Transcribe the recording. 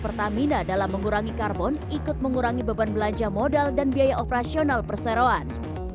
pertamina menjelaskan upayanya mencapai energi nasional menjadi prioritas